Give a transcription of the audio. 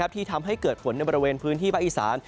ที่ทำให้เกิดฝนในบริเวณพื้นที่ภาคอีสาน